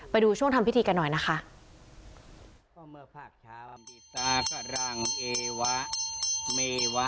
ไปดูช่วงทำพิธีกันหน่อยนะคะ